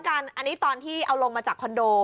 อันนี้ตอนที่เอาลงมาจากคอนโด